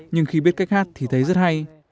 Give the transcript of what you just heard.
nhưng khi biết cách hát thì thấy rất hay